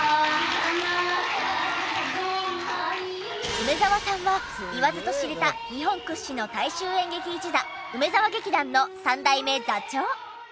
梅沢さんは言わずと知れた日本屈指の大衆演劇一座梅沢劇団の３代目座長。